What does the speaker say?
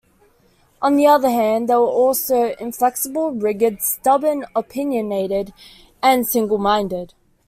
On the other hand, they are also inflexible, rigid, stubborn, opinionated and single-minded.